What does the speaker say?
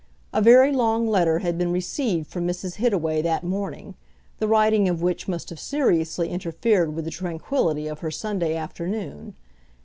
A very long letter had been received from Mrs. Hittaway that morning, the writing of which must have seriously interfered with the tranquillity of her Sunday afternoon.